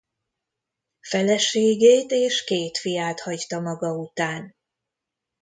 Feleségét és két fiát hagyta maga után.